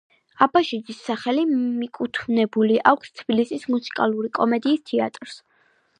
აბაშიძის სახელი მიკუთვნებული აქვს თბილისის მუსიკალური კომედიის თეატრს.